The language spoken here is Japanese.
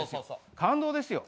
感動ですよ。